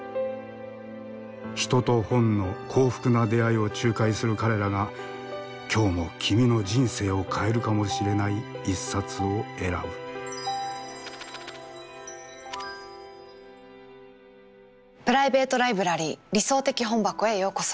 人と本の幸福な出会いを仲介する彼らが今日も君の人生を変えるかもしれない一冊を選ぶプライベート・ライブラリー「理想的本箱」へようこそ。